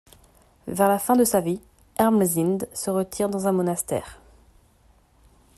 Vers la fin de sa vie, Ermesinde se retire dans un monastère.